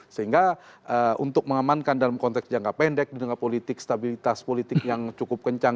sehingga untuk mengamankan dalam konteks jangka pendek di jangka politik stabilitas politik yang cukup kencang